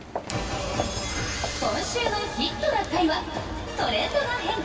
今週の「ヒットな会」はトレンドが変化！